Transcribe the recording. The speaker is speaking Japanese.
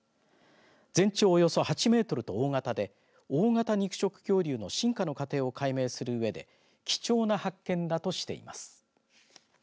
全長およそ８メートルと大型で大型肉食恐竜の進化の過程を解明するうえで貴重な発見だとしています。